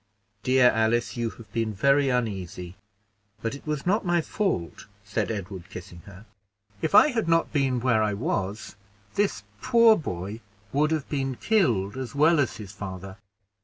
Dear Alice, you have been very uneasy, but it was not my fault," said Edward, kissing her. "If I had not been where I was, this poor boy would have been killed as well as his father.